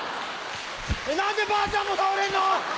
何でばあちゃんも倒れんの？